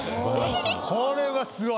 これはすごい。